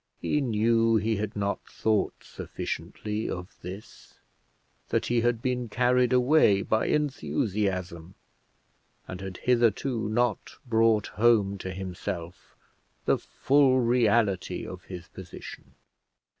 He knew he had not thought sufficiently of this, that he had been carried away by enthusiasm, and had hitherto not brought home to himself the full reality of his position.